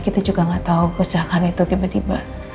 kita juga gak tau kecelakaan itu tiba tiba